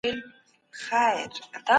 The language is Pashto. جګړه هیڅکله د ستونزو حل نه دی.